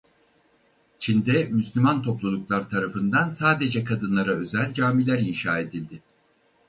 Çin'de Müslüman topluluklar tarafından sadece kadınlara özel camiler inşa edildi.